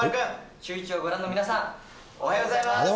シューイチのご覧の皆さん、おはようございます。